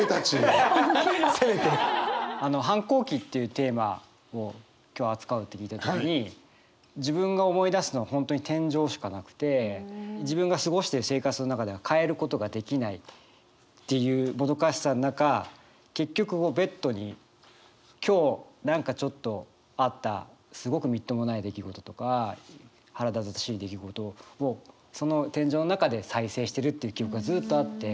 反抗期っていうテーマを今日扱うって聞いた時に自分が思い出すのは本当に天井しかなくて自分が過ごしてる生活の中では変えることができないっていうもどかしさの中結局ベッドに今日何かちょっとあったすごくみっともない出来事とか腹立たしい出来事をその天井の中で再生してるっていう記憶がずっとあって。